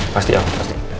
pasti ya pasti